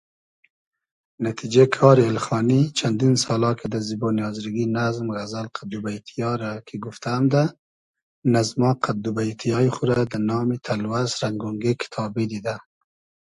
نتیجې کاری اېلخانی چئندین سالا کی دۂ زیبۉنی آزرگی نئزم، غئزئل قئد دو بݷتی یا رۂ کی گوفتۂ امدۂ، نئزما قئد دوبݷتی یای خو رۂ دۂ نامی تئلوئس رئنگ اۉنگې کیتابی دیدۂ